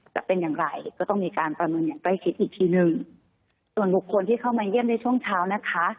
จะเป็นอย่างไรก็ต้องมีการประเมินอย่างใกล้ชิดอีกทีหนึ่งส่วนบุคคลที่เข้ามาเยี่ยมในช่วงเช้านะคะ